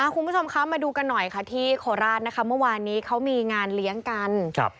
คุณผู้ชมคะมาดูกันหน่อยค่ะที่โคราชนะคะเมื่อวานนี้เขามีงานเลี้ยงกัน